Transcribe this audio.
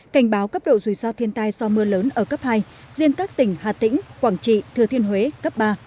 cảnh báo cấp độ rủi ro thiên tai do mưa lớn ở cấp hai riêng các tỉnh hà tĩnh quảng trị thừa thiên huế cấp ba